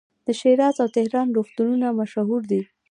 د شیراز او تهران روغتونونه مشهور دي.